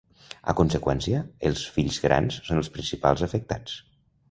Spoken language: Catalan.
A conseqüència, els fills grans són els principals afectats.